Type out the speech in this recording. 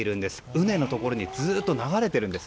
畝のところにずっと流れているんです。